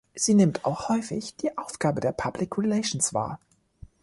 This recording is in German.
Sie nimmt auch häufig die Aufgabe der Public Relations wahr.